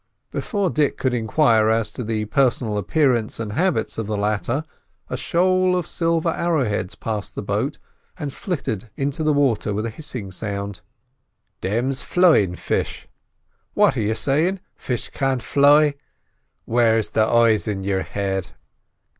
Before Dick could enquire as to the personal appearance and habits of the latter, a shoal of silver arrow heads passed the boat and flittered into the water with a hissing sound. "Thim's flyin' fish. What are you sayin'—fish can't fly! Where's the eyes in your head?"